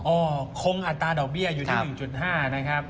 คงอัตราดอกเบี้ยอยู่ที่๑๕นะครับ